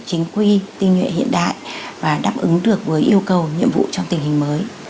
chính quy tinh nhuệ hiện đại và đáp ứng được với yêu cầu nhiệm vụ trong tình hình mới